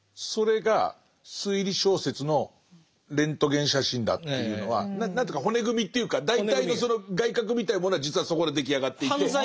それが推理小説のレントゲン写真だっていうのは何ていうか骨組みというか大体のその外郭みたいなものは実はそこで出来上がっていて。